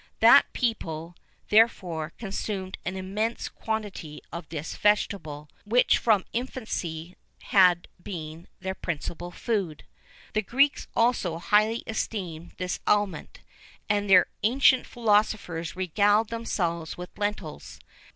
That people, therefore, consumed an immense quantity of this vegetable, which from infancy had been their principal food.[VIII 34] The Greeks also highly esteemed this aliment, and their ancient philosophers regaled themselves with lentils.